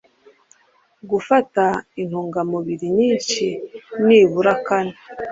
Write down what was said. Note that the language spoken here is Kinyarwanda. gufata intungamubiri nyinhi nibura kane